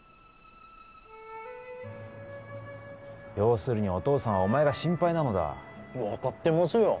要するにお父さんはお前が心配なのだ分かってますよ